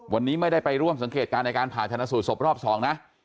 วันนี้ไม่ได้ไปร่วมสังเกตการณ์ในการผ่าชนะสูตรศพรอบ๒นะ